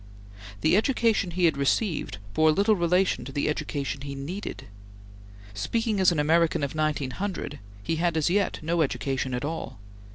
The education he had received bore little relation to the education he needed. Speaking as an American of 1900, he had as yet no education at all.